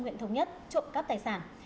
huyện thống nhất trộm cắp tài sản